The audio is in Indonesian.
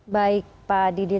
baik pak didit